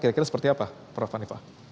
kira kira seperti apa prof hanifah